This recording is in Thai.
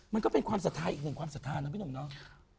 มันก็เป็นความสะท้ายอีกหนึ่งความสะท้านนะพี่หนุ่มน้อง